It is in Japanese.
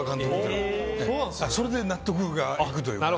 それで納得がいくというか。